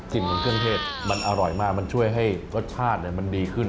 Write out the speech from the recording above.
เหมือนเครื่องเทศมันอร่อยมากมันช่วยให้รสชาติมันดีขึ้น